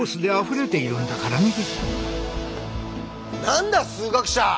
何だ数学者！